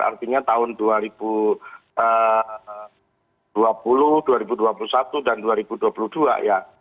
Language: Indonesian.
artinya tahun dua ribu dua puluh dua ribu dua puluh satu dan dua ribu dua puluh dua ya